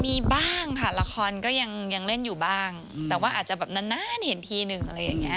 มีบ้างค่ะละครก็ยังเล่นอยู่บ้างแต่ว่าอาจจะแบบนานเห็นทีหนึ่งอะไรอย่างเงี้